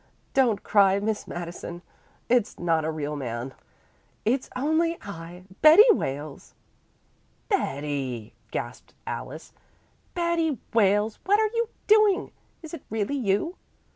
"Don't cry, Miss Madison. It's not a real man. It's only I Betty Wales." "Betty!" gasped Alice. "Betty Wales, what are you doing? Is it really you?"